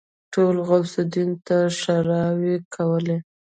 ټولو غوث الدين ته ښېراوې کولې.